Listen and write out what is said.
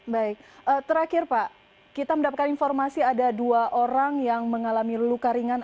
baik terakhir pak kita mendapatkan informasi ada dua orang yang mengalami luka ringan